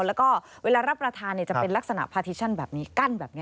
แล้วก็เวลารับประทานจะเป็นลักษณะพาทิชั่นแบบนี้กั้นแบบนี้